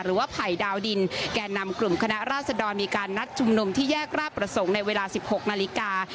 ไผ่ดาวดินแก่นำกลุ่มคณะราษดรมีการนัดชุมนุมที่แยกราชประสงค์ในเวลา๑๖นาฬิกา